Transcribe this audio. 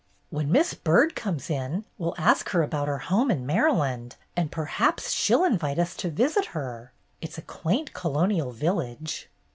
"When Miss Byrd comes in, we'll ask her about her home in Maryland, and perhaps she 'll invite us to visit her. It 's a quaint colonial village."